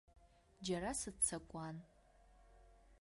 Џьара сыццакуан.